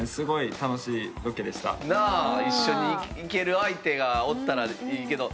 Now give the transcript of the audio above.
一緒に行ける相手がおったらいいけど。